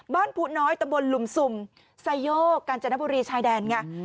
บ้านผู้น้อยตะบนลุ่มสุ่มไซโยกกาญจนบุรีชายแดน